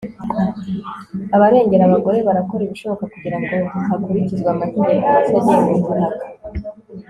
abarengera abagore barakora ibishoboka kugira ngo hakurikizwe amategeko mashya agenga ubutaka